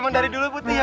orang dari dulu putih ya